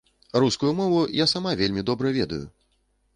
Рускую мову я сама вельмі добра ведаю.